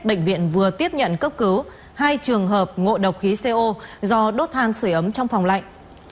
bệnh viện vừa tiếp nhận cấp cứu hai trường hợp ngộ độc khí co do đốt than sửa ấm trong phòng lạnh